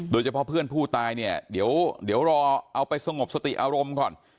โดยเฉพาะเพื่อนผู้ตายเนี่ยเดี๋ยวรอเอาไปสงบสติอารมณ์ก่อน